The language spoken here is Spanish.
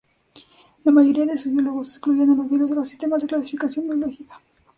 La mayoría de biólogos excluye a los virus de los sistemas de clasificación biológica.